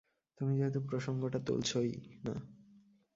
তুমি যেহেতু প্রসঙ্গটা তুলেছই, না।